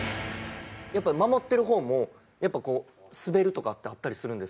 やっぱ守ってる方も滑るとかってあったりするんですか？